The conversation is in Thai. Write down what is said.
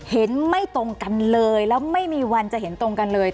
เห็นไม่ตรงกันเลยแล้วไม่มีวันจะเห็นตรงกันเลย